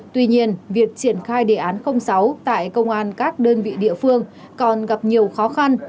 tuy nhiên việc triển khai đề án sáu tại công an các đơn vị địa phương còn gặp nhiều khó khăn